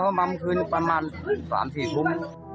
เขามันเมื่อคืนประมาณ๓๔ลุ้ม